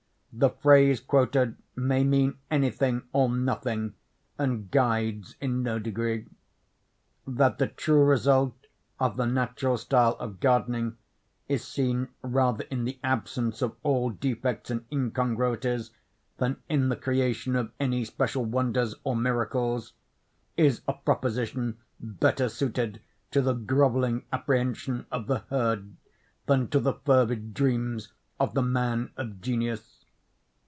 The phrase quoted may mean any thing, or nothing, and guides in no degree. That the true result of the natural style of gardening is seen rather in the absence of all defects and incongruities than in the creation of any special wonders or miracles, is a proposition better suited to the grovelling apprehension of the herd than to the fervid dreams of the man of genius.